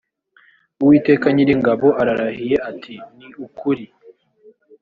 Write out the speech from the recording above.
uwiteka nyiringabo ararahiye ati ni ukuri